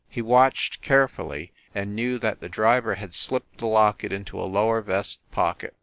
He watched carefully, and knew that the driver had slipped the locket into a lower vest pocket.